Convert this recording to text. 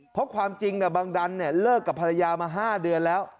เพราะความจริงบังดันเลิกกับภรรยามา๕เดือนแล้ว